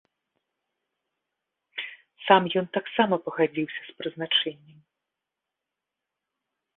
Сам ён таксама пагадзіўся з прызначэннем.